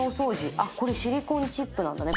あっこれシリコンチップなんだね